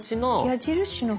矢印の方？